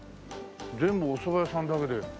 全部おそば屋さんだけで。